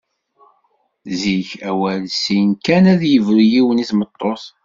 Zik, awal sin kan ad yebru yiwen i tmeṭṭut.